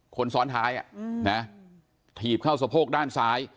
คนซ้อนท้ายอ่ะอืมนะถีบเข้าสะโพกด้านซ้าย